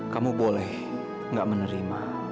kamu boleh gak menerima